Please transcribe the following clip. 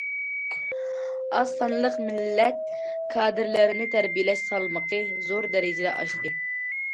ئاز سانلىق مىللەت كادىرلىرىنى تەربىيەلەش سالمىقى زور دەرىجىدە ئاشتى.